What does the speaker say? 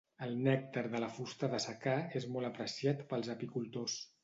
El nèctar de la fusta de secà és molt apreciat pels apicultors.